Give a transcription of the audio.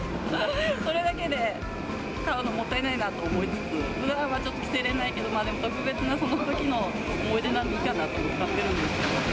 それだけで買うのもったいないなと思いつつ、ふだんはちょっと着せられないけど、特別なそのときの思い出だから、いいかなと思って買ってる。